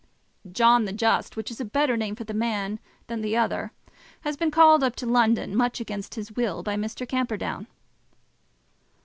"John the Just, which is a better name for the man than the other, has been called up to London, much against his will, by Mr. Camperdown."